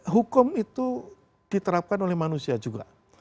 hukum itu diterapkan oleh manusia juga